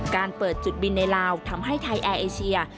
การเปิดจุดบินในลาวทำให้ไทยแอร์เอเชีย